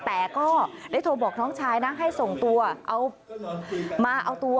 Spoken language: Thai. แต่ก็ได้โทรบอกน้องชายนะให้ส่งตัวเอามาเอาตัว